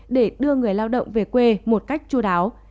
để đưa người lao động về quê một cách chú đáo